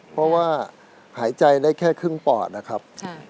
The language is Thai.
เพราะว่าหายใจได้แค่ครึ่งปอดนะครับ